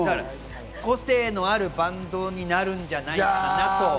個性のあるバンドになるんじゃないかなと。